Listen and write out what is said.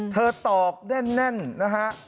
ตอกแน่นนะฮะ